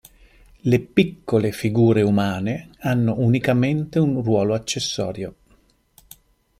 Le piccole figure umane hanno unicamente un ruolo accessorio.